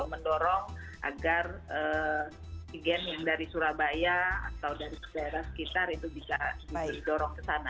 mendorong agar oksigen yang dari surabaya atau dari daerah sekitar itu bisa didorong ke sana